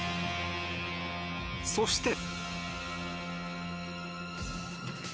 そして。